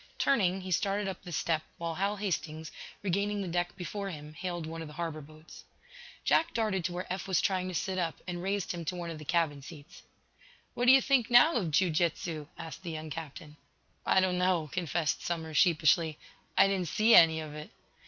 Turning, he started up the step, while Hal Hastings, regaining the deck before him, hailed one of the harbor boats. Jack darted to where Eph was trying to sit up, and raised him to one of the cabin seats. "What do you think, now, of jiu jitsu?" asked the young captain. "I don't know," confessed Somers, sheepishly. "I didn't see any of it."